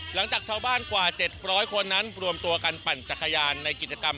หลังจากชาวบ้านกว่า๗๐๐คนนั้นรวมตัวกันปั่นจักรยานในกิจกรรม